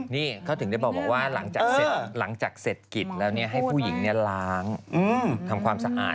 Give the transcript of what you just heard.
นี่เขาถึงได้บอกว่าหลังจากเสร็จหลังจากเสร็จกิจแล้วให้ผู้หญิงล้างทำความสะอาด